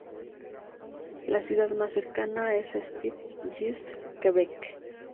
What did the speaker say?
La ciudad más cercana es Sept-Îles, Quebec.